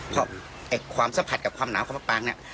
เพราะความสัมผัสกับความหนาวของมะปางเนี่ย